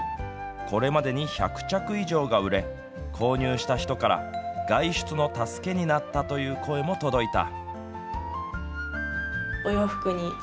これまでに１００着以上が売れ購入した人から外出の助けになったという声も届いた。